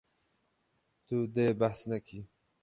Tu dê behs nekî.